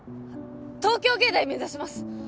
東京藝大目指します！